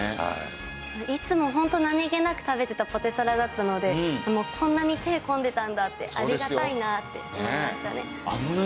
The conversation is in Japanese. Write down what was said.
いつもホント何げなく食べてたポテサラだったのでこんなに手が込んでたんだってありがたいなって思いましたね。